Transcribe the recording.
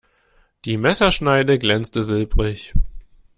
Die Messerschneide glänzte silbrig.